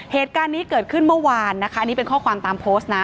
เหตุการณ์นี้เกิดขึ้นเมื่อวานนะคะอันนี้เป็นข้อความตามโพสต์นะ